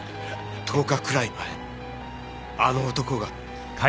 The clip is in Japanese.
１０日くらい前あの男が。